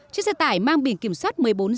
chiếc xe tải mang biển kiểm soát một mươi bốn c